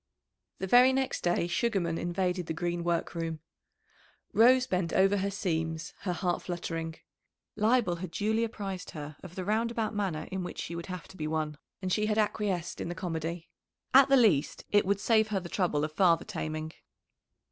The very next day Sugarman invaded the Green work room. Rose bent over her seams, her heart fluttering. Leibel had duly apprised her of the roundabout manner in which she would have to be won, and she had acquiesced in the comedy. At the least it would save her the trouble of father taming.